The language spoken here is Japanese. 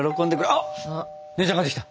あっ姉ちゃん帰ってきた！